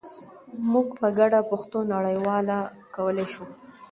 موږ په ګډه پښتو نړیواله کولای شو.